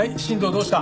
どうした？